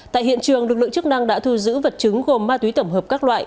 tại hiện trường lực lượng chức năng đã thu giữ vật chứng gồm ma túy tổng hợp các loại